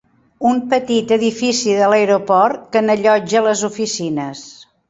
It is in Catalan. Un petit edifici de l'aeroport que n'allotja les oficines.